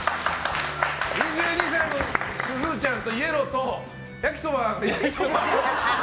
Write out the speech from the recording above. ２２歳のすずちゃん、イエローとやきそばん。